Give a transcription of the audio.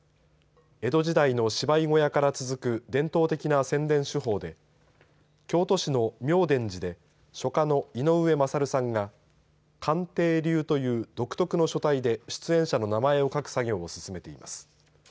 江戸時代の芝居小屋から続く伝統的な宣伝手法で京都市の妙傳寺で書家の井上優さんが勘亭流という独特の書体で出演者の名前を書く作業を進めています。